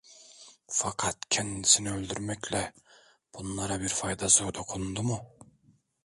Fakat kendisini öldürmekle bunlara bir faydası dokundu mu?